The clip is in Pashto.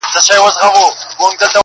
o د زوم خاوره د خسر له سره اخيسته کېږي!